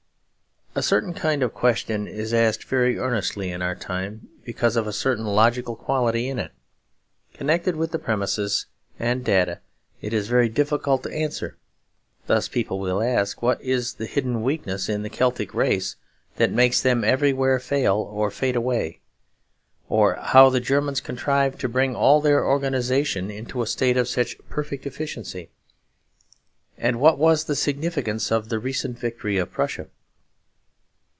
_ A certain kind of question is asked very earnestly in our time. Because of a certain logical quality in it, connected with premises and data, it is very difficult to answer. Thus people will ask what is the hidden weakness in the Celtic race that makes them everywhere fail or fade away; or how the Germans contrived to bring all their organisation into a state of such perfect efficiency; and what was the significance of the recent victory of Prussia.